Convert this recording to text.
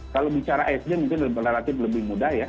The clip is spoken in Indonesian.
kalau bicara sd mungkin relatif lebih mudah ya